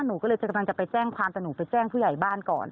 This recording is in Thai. หนูก็เลยกำลังจะไปแจ้งความแต่หนูไปแจ้งผู้ใหญ่บ้านก่อน